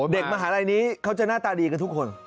มหาลัยนี้เขาจะหน้าตาดีกับทุกคน